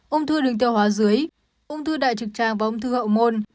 ung thư đường tiêu hóa dưới ung thư đại trực tràng và ung thư hậu môn